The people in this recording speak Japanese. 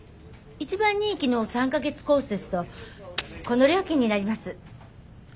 一番人気の３か月コースですとこの料金になります。